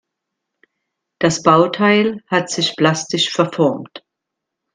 Das Bauteil hat sich plastisch verformt.